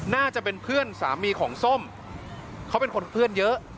น่าจะเป็นเพื่อนสามีของส้มเขาเป็นคนเพื่อนเยอะ